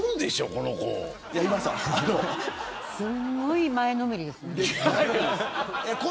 すごい前のめりですね。